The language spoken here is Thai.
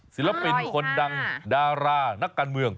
ศิลปินคนดังดารานักการเมือง